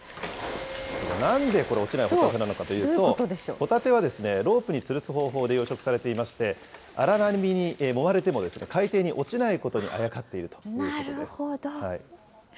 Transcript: なんでこれ、落ちないホタテなのかというと、ホタテはロープにつるす方法で養殖されていまして、荒波にもまれても、海底に落ちないことにあやかっているということです。